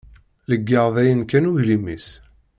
Leggaɣ dayen kan uglim-is.